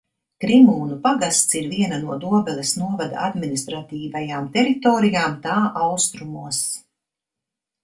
Krimūnu pagasts ir viena no Dobeles novada administratīvajām teritorijām tā austrumos.